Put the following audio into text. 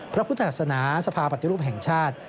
พระพุทธศาสนาสภาปฏิรูปแห่งชาติ